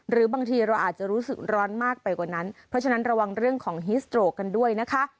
หรือบางทีเราอาจจะรู้สึกร้อนมากไปกว่านั้นเพราะฉะนั้นระวังเรื่องของฮิสโตรกกันด้วยนะคะ